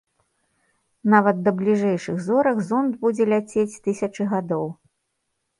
Нават да бліжэйшых зорак зонд будзе ляцець тысячы гадоў.